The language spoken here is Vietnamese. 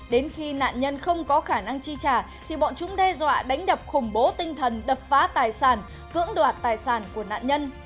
đến khi nạn nhân không có khả năng chi trả thì bọn chúng đe dọa đánh đập khủng bố tinh thần đập phá tài sản cưỡng đoạt tài sản của nạn nhân